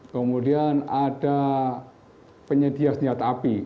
kemudian ada penyedia senjata api